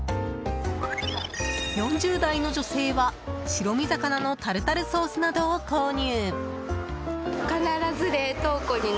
４０代の女性は、白身魚のタルタルソースなどを購入。